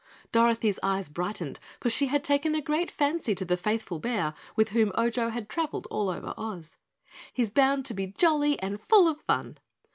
Dorothy's eyes brightened, for she had taken a great fancy to the faithful bear with whom Ojo had traveled all over Oz. "He's bound to be jolly and full of fun."